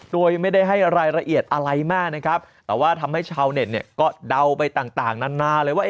โดยไม่ได้ให้รายละเอียดอะไรมากนะครับแต่ว่าทำให้ชาวเน็ตเนี่ยก็เดาไปต่างนานาเลยว่า